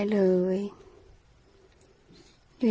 อยู่ดีอยู่ดี